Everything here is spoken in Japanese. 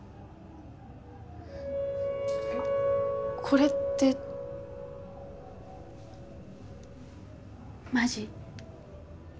えっこれってマジ？